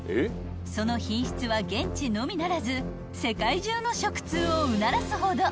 ［その品質は現地のみならず世界中の食通をうならすほど］